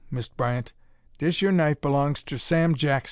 Mist' Bryant, dish yer knife b'longs ter Sam Jackson!"